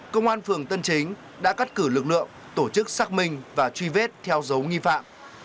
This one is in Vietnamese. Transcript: công an phường tân chính đã cắt cử lực lượng tổ chức xác minh và truy vết theo dấu nghi phạm